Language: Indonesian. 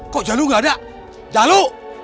kok jalu gak ada jalu